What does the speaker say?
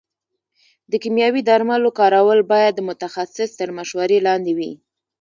د کيمياوي درملو کارول باید د متخصص تر مشورې لاندې وي.